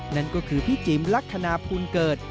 นั่นก็คือพี่จิ๋มลักษณะภูลเกิด